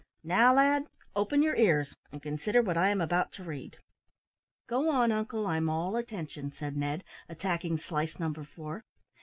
"Now, lad, open your ears and consider what I am about to read." "Go on, uncle, I'm all attention," said Ned, attacking slice number four.